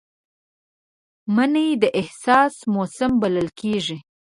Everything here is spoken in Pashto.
مني د احساس موسم بلل کېږي